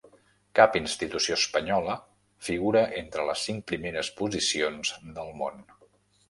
Cap institució espanyola figura entre les cinc primeres posicions del món.